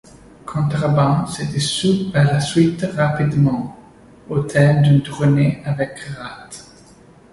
Contraband se dissout par la suite rapidement, au terme d'une tournée avec Ratt.